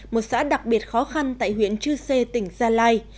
một xã đặc biệt khó khăn tại huyện chư sê tỉnh gia lai